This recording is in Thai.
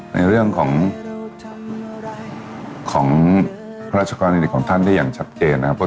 ในเรื่องของของพระราชกรณีของท่านได้อย่างชัดเจนนะครับ